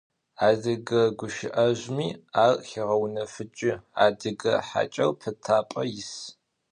Adıge guşı'ezjımi ar xêğeunefıç'ı: «Adıge haç'er pıtap'e yis».